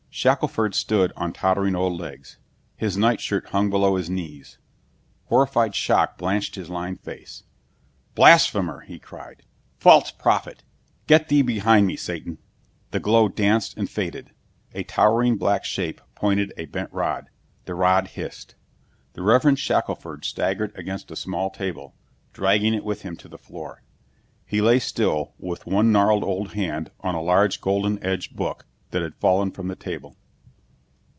Shackelford stood on tottering old legs. His nightshirt hung below his knees. Horrified shock blanched his lined face. "Blasphemer!" he cried. "False prophet! Get thee behind me, Satan!" The glow danced and faded. A towering black shape pointed a bent rod. The rod hissed. The Reverend Shackelford staggered against a small table, dragging it with him to the floor. He lay still with one gnarled old hand on a large golden edged book that had fallen from the table.